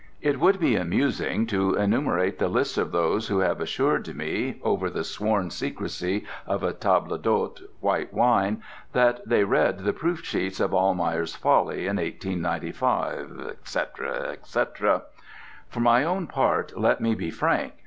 It would be amusing to enumerate the list of those who have assured me (over the sworn secrecy of a table d'hôte white wine) that they read the proof sheets of "Almayer's Folly" in 1895, etc., etc. For my own part, let me be frank.